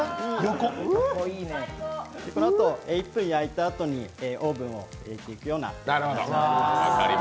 このあと１分焼いたあとにオーブンで焼いていくような形です。